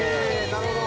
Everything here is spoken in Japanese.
なるほど」